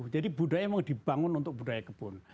jadi budaya mau dibangun untuk budaya kebun